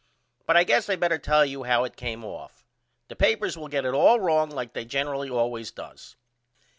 But I guess I better tell you how it come off. The papers will get it all wrong like they generally allways does.